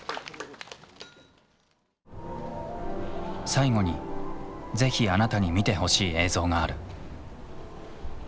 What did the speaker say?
最後に是非あなたに見てほしい映像がある。